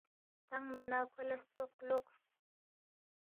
تنگما نہ کھو لہ ستروق لوقس